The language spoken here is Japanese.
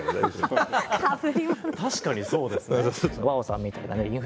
確かにそうですね。